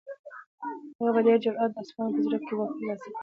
هغه په ډېر جرئت د اصفهان په زړه کې واک ترلاسه کړ.